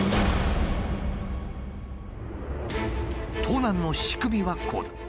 盗難の仕組みはこうだ。